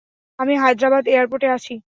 আমি হায়দ্রাবাদ এয়ারপোর্টে আছি।